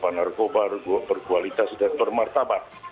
narkoba berkualitas dan bermartabat